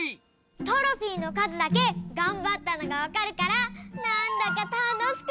トロフィーのかずだけがんばったのがわかるからなんだかたのしくなってきた！